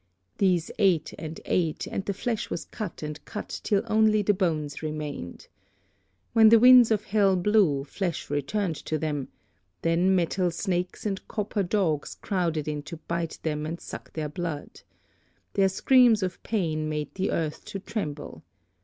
These ate and ate, and the flesh was cut and cut till only the bones remained. When the winds of hell blew, flesh returned to them; then metal snakes and copper dogs crowded in to bite them and suck their blood. Their screams of pain made the earth to tremble.